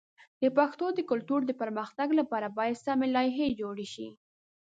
د پښتو د کلتور د پرمختګ لپاره باید سمی لایحې جوړ شي.